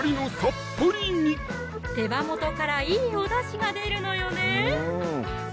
手羽元からいいおだしが出るのよね